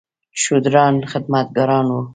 شودران خدمتګاران وو.